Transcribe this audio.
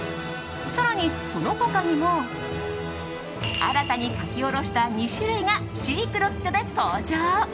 更に、その他にも新たに描き下ろした２種類がシークレットで登場。